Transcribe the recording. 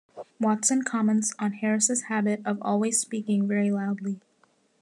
Watson comments on Harris' habit of always speaking very loudly.